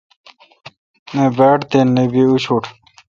نہ باڑ تے نہ بی اوشٹ۔